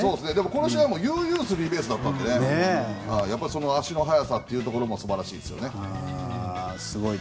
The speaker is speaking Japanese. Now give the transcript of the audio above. この試合は悠々スリーベースだったので足の速さも素晴らしいですよね。